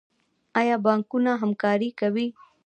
آیا بانکونه همکاري کوي؟